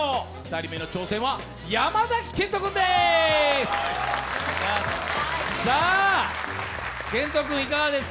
２人目の挑戦は山崎賢人君です。